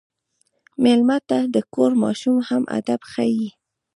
مېلمه ته د کور ماشوم هم ادب ښيي.